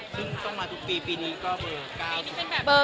ซึ่งต้องมาทุกปีปีนี้ก็เบอร์๙